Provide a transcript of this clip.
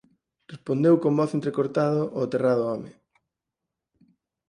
respondeu con voz entrecortada o aterrado home—.